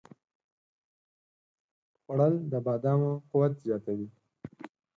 خوړل د بادامو قوت زیاتوي